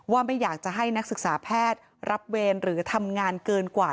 ไม่อยากจะให้นักศึกษาแพทย์รับเวรหรือทำงานเกินกว่า